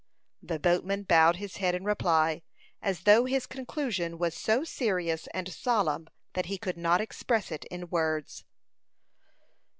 The boatman bowed his head in reply, as though his conclusion was so serious and solemn that he could not express it in words.